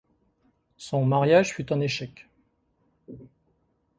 Son mariage fut un échec.